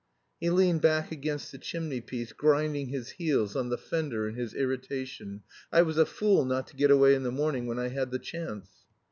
He leaned back against the chimney piece, grinding his heels on the fender in his irritation. "I was a fool not to get away in the morning when I had the chance."